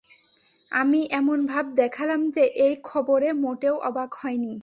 আমি এমন ভাব দেখলাম যে, এই খবরে মোটেও অবাক হই নি।